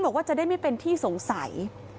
บอกว่าจะได้ไม่เป็นที่สงสัย